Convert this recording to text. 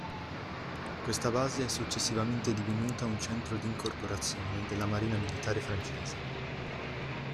Questa base è successivamente divenuta un centro d'incorporazione della Marina militare francese.